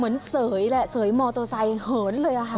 มันเสยเนี่ยเสยมอต์โทไซไม่เหินเลย